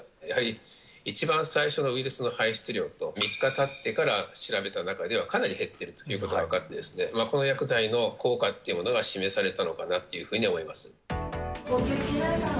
やはり一番最初のウイルスの排出量と３日たってから調べた中では、かなり減っているということが分かってですね、この薬剤の効果っていうものが示されたのかなというふうに思います。